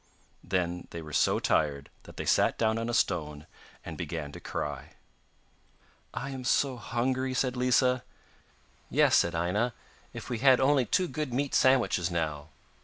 Then they were so tired that they sat down on a stone and began to cry. 'I am so hungry,' said Lisa. 'Yes,' said Aina, 'if we had only two good meat sandwiches now.